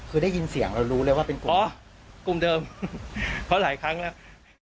คือได้ยินเสียงเรารู้เลยว่าเป็นกลุ่มอ๋อกลุ่มเดิมเพราะหลายครั้งแล้ว